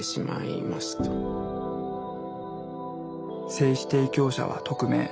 精子提供者は匿名。